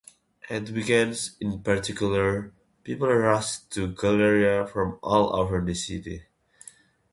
At weekends in particular, people rushed to Galleria from all over the city.